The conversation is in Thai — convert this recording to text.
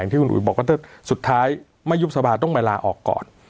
ที่คุณอุ๋ยบอกว่าถ้าสุดท้ายไม่ยุบสภาต้องไปลาออกก่อน